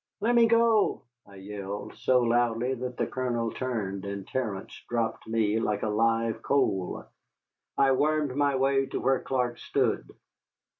"Let me go," I yelled, so loudly that the Colonel turned, and Terence dropped me like a live coal. I wormed my way to where Clark stood.